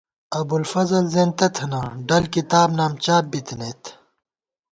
ابُوالفضل زېنتہ تھنہ ڈل کتاب نام چاپ بِی تَنَئیت